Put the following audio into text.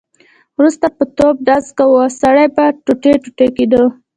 وروسته به توپ ډز کاوه او سړی به ټوټې کېده.